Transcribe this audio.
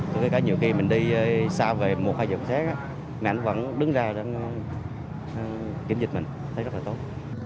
thế cả nhiều khi mình đi xa về một hay dựng xét mấy anh vẫn đứng ra kiểm dịch mình thấy rất là tốt